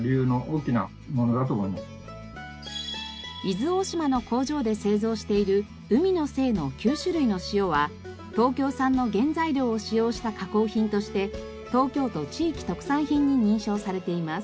伊豆大島の工場で製造している海の精の９種類の塩は東京産の原材料を使用した加工品として東京都地域特産品に認証されています。